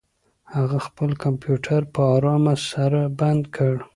هغه خپل کمپیوټر په ارامه سره بند کړ.